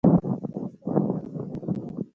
دای په عروضو پوهېده.